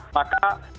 maka kita berharap